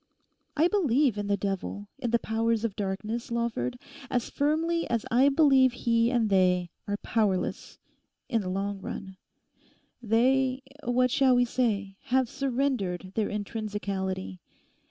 I believe in the devil, in the Powers of Darkness, Lawford, as firmly as I believe he and they are powerless—in the long run. They—what shall we say?—have surrendered their intrinsicality.